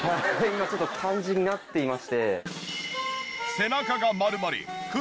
今ちょっと感じになっていまして。